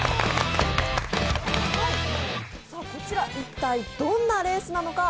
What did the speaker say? こちら一体どんなレースなのか